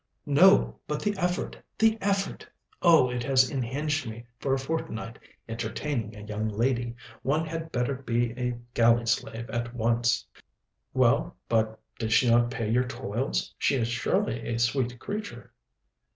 "No; but the effort! the effort! Oh, it has unhinged me for a fortnight! Entertaining a young lady! one had better be a galley slave at once!" "Well, but did she not pay your toils? She is surely a sweet creature."